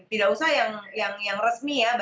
tidak usah yang resmi ya